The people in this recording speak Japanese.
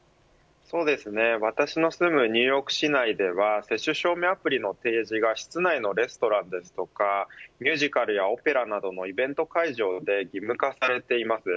私の住むニューヨーク市内では接種証明アプリの提示が室内のレストランですとかミュージカルやオペラなどのイベント会場で義務化されています。